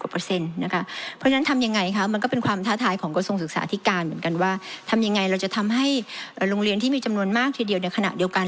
เพราะฉะนั้นทำยังไงคะมันก็เป็นความท้าทายของกระทรวงศึกษาที่การเหมือนกันว่าทำยังไงเราจะทำให้โรงเรียนที่มีจำนวนมากทีเดียวในขณะเดียวกัน